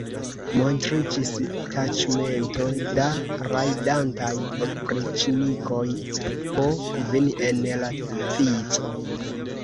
Montriĝis taĉmento da rajdantaj opriĉnikoj po kvin en la vico.